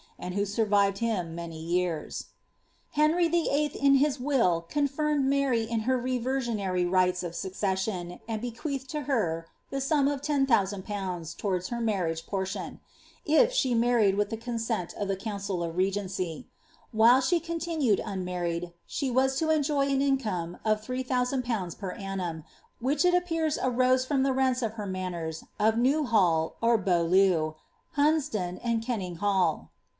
and who survived him many years.* Henry VIII. in his will confirmed Mary in her reversionary riehts'^ sucressiun, Hnd bequeatlied to her the sum of 10,000/. towards her ir«ir riage poriion, if she married with the consent of the council of reeencr. While she continued unmarried, she was to enjoy an income of 3.1HMII. per annum, which it appears arose from the rents of her manors of Ne«" hall, or Bi'aulleu, Hunsdon, and Kenninghall.